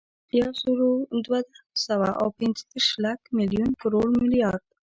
یوزرودوهسوه اوپنځهدېرش، لک، ملیون، کروړ، ملیارد